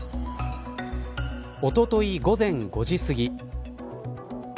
おととい午前５時すぎ。